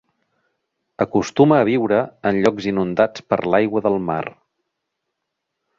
Acostuma a viure en llocs inundats per l'aigua del mar.